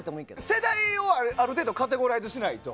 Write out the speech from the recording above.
世代をある程度カテゴライズしないと。